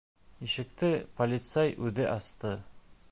Ишекте полицай үҙе асты.